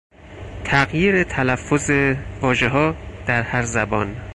تغییر تلفظ واژهها در هر زبان